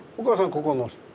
ここの人？